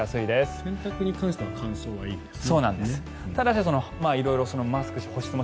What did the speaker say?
洗濯に関しては乾燥がいいんですね。